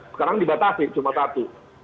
sekarang dibatasi cuma satu